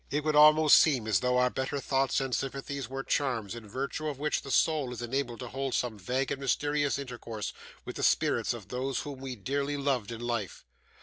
It would almost seem as though our better thoughts and sympathies were charms, in virtue of which the soul is enabled to hold some vague and mysterious intercourse with the spirits of those whom we dearly loved in life.